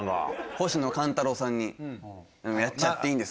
星野勘太郎さんに「やっちゃっていいんですか」